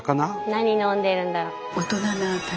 何飲んでるんだろう？